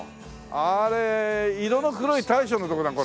あれ色の黒い大将のとこだこれ。